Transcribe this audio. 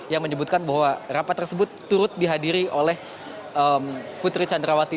yang menyebutkan bahwa rapat tersebut turut dihadiri oleh putri candrawati